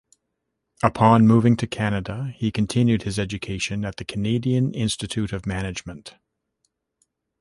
Upon moving to Canada, he continued his education at the Canadian Institute of Management.